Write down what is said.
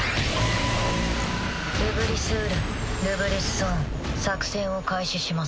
ルブリス・ウルルブリス・ソーン作戦を開始します。